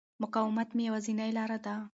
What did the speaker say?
مقاومت مې یوازینۍ لاره وه.